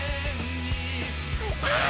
あっ！